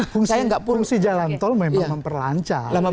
fungsi jalan tol memang memperlancar